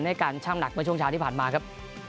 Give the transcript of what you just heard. ในการชั่งหนักในช่วงเช้าที่ผ่านมาครับ